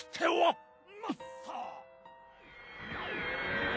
よっ！